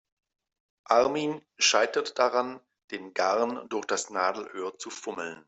Armin scheitert daran, den Garn durch das Nadelöhr zu fummeln.